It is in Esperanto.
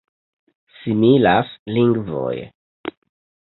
Similas lingvoj.